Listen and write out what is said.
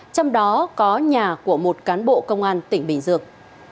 trong đó có nhà của một cán bộ công an tỉnh bình dương